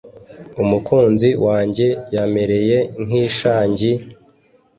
Umukunzi wanjye yamereye nk’ishangi,